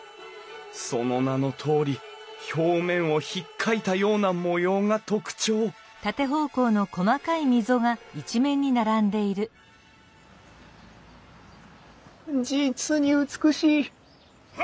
その名のとおり表面をひっかいたような模様が特徴実に美しい！